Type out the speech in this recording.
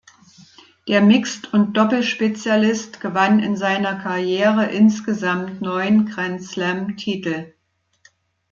Der Mixed- und Doppel-Spezialist gewann in seiner Karriere insgesamt neun Grand-Slam-Titel.